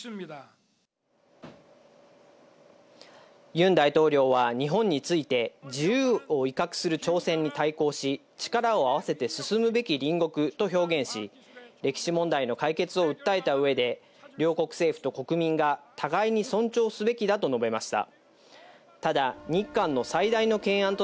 ユン大統領は、日本について自由を威嚇する挑戦に対抗し、力を合わせて進むべき隣国と表現し、歴史問題の解決を訴えた上で、両国政府と国民が互いに尊重すべきだと述べました。